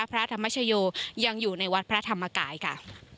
พระธรรมชโยยังอยู่ในวัดพระธรรมกายค่ะ